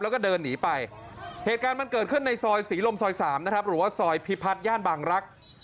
แล้วก็เดินหนีไปเหตุการณ์มันเกิดขึ้นในซอยศรีลมซอย๓นะครับหรือว่าซอยพิพัฒน์ย่านบางรักษ์